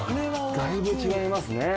だいぶ違いますね。